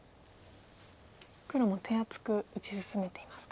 黒も手厚く打ち進めていますか。